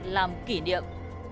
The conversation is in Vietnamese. làm kỷ niệm